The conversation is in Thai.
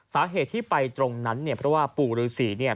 สาเหตุที่ไปตรงนั้นเนี่ยเพราะว่าปู่ฤษีเนี่ย